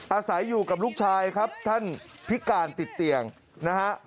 อาศัยอยู่กับลูกชายครับท่านพิการติดเตียงนะฮะ